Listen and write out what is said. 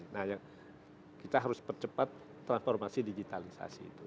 nah yang kita harus percepat transformasi digitalisasi itu